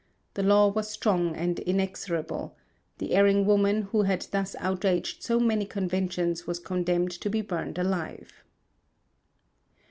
The law was strong and inexorable; the erring woman who had thus outraged so many conventions was condemned to be burned alive.